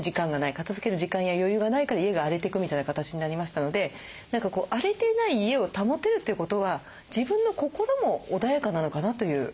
片づける時間や余裕がないから家が荒れていくみたいな形になりましたので何か荒れてない家を保てるということは自分の心も穏やかなのかなという。